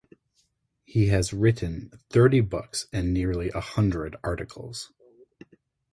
He has written thirty books and nearly a hundred articles.